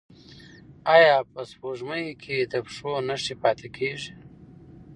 ایا په سپوږمۍ کې د پښو نښې پاتې کیږي؟